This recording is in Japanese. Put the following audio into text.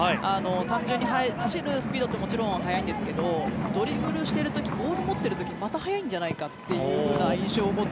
単純に走るスピードももちろん速いんですけどドリブルしている時ボールを持っている時また速いんじゃないかという印象を持つ。